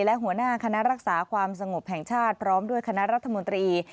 และหัวหน้าคณะรักษาความสงบแห่งชาติพร้อมด้วยคณะรัฐมนตรี